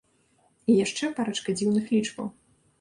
І яшчэ парачка дзіўных лічбаў.